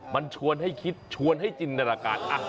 มันชวนให้คิดชวนให้จินตนาการ